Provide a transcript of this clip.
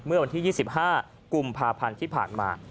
เมื่อวันที่๒๕กุมภาพันธ์ที่ผ่านมา